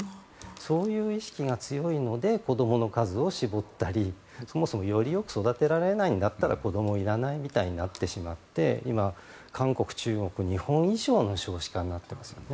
そういう意識が強いので子供の数を絞ったりそもそもより良く育てられないなら子供はいらないみたいになってしまって今、韓国、中国、日本以上の少子化になっていますよね。